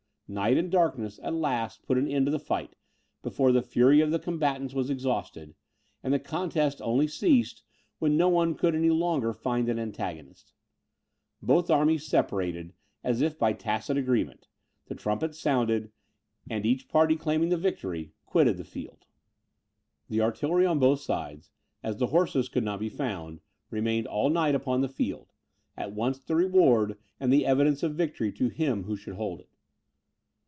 Night and darkness at last put an end to the fight, before the fury of the combatants was exhausted; and the contest only ceased, when no one could any longer find an antagonist. Both armies separated, as if by tacit agreement; the trumpets sounded, and each party claiming the victory, quitted the field. The artillery on both sides, as the horses could not be found, remained all night upon the field, at once the reward and the evidence of victory to him who should hold it.